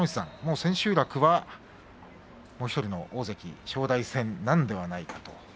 千秋楽はもう１人の大関正代戦なのではないかと。